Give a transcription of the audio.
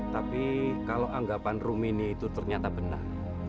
tapi kalau anggapan rumini itu ternyata benar